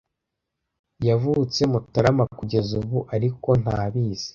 Yavutse Mutarama kugeza ubu ariko ntabizi